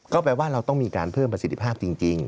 ก็แปลว่าเราต้องมีการเพิ่มประสิทธิภาพจริง